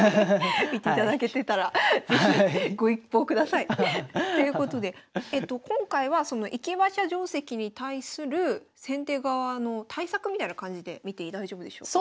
見ていただけてたら是非ご一報ください。ということで今回はその駅馬車定跡に対する先手側の対策みたいな感じで見て大丈夫でしょうか？